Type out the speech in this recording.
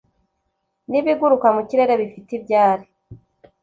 n'ibiguruka mu kirere bifite ibyari